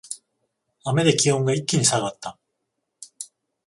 雨で気温が一気に下がった